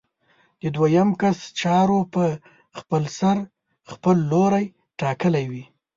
د دویم کس چارو په خپلسر خپل لوری ټاکلی وي.